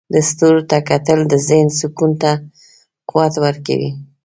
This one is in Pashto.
د ستورو ته کتل د ذهن سکون ته قوت ورکوي.